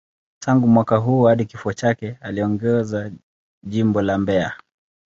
Tangu mwaka huo hadi kifo chake, aliongoza Jimbo la Mbeya.